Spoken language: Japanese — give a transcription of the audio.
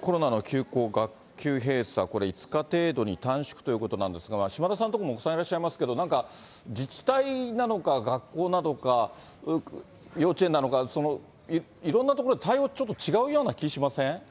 コロナの休校、学級閉鎖、これ５日程度に短縮ということなんですが、島田さんのところもお子さんいらっしゃいますけど、なんか自治体なのか、学校なのか、幼稚園なのか、いろんな所で対応ちょっと違うような気しません？